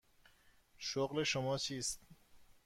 شغل شما چیست؟